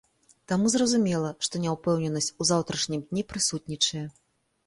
Таму зразумела, што няўпэўненасць у заўтрашнім дні прысутнічае.